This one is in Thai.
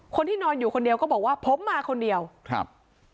คนที่นอนอยู่คนเดียวก็บอกว่าผมมาคนเดียวครับ